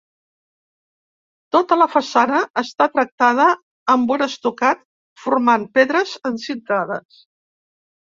Tota la façana està tractada amb un estucat formant pedres encintades.